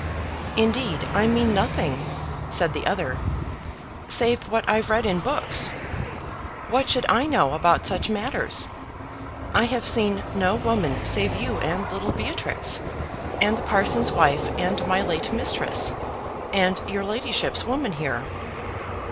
"Indeed I mean nothing," said the other, "save what I've read in books. What should I know about such matters? I have seen no woman save you and little Beatrix, and the parson's wife and my late mistress, and your ladyship's woman here."